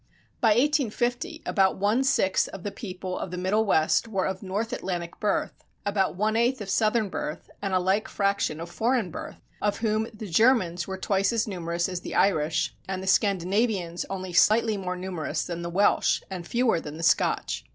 By 1850 about one sixth of the people of the Middle West were of North Atlantic birth, about one eighth of Southern birth, and a like fraction of foreign birth, of whom the Germans were twice as numerous as the Irish, and the Scandinavians only slightly more numerous than the Welsh, and fewer than the Scotch.